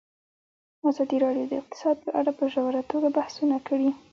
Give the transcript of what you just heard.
ازادي راډیو د اقتصاد په اړه په ژوره توګه بحثونه کړي.